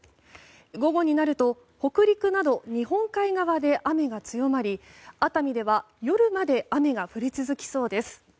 午後になると北陸など日本海側で雨が強まり熱海では夜まで雨が降り続きそうです。